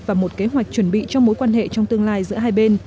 và một kế hoạch chuẩn bị cho mối quan hệ trong tương lai giữa hai bên